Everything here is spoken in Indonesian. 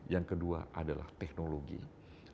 yang kedua adalah teknologi nah teknologi ini bisa pecah pecah